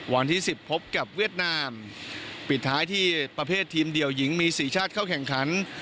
วันที่สิบพบกับเวียดนามปิดท้ายที่ประเภททีมเดี่ยวหญิงมีสี่ชาติเข้าแข่งขัน